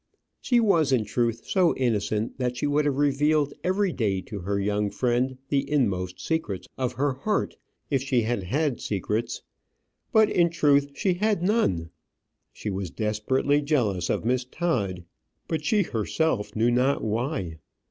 She was, in truth, so innocent that she would have revealed every day to her young friend the inmost secrets of her heart if she had had secrets. But, in truth, she had none. She was desperately jealous of Miss Todd, but she herself knew not why.